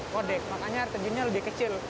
kode makanya terjunnya lebih kecil